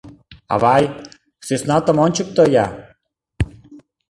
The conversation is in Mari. — Авай, сӧснатым ончыкто-я!